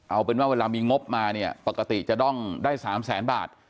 เอาเป็นว่าเวลามีงบมาเนี่ยปกติจะต้องได้๓แสนบาท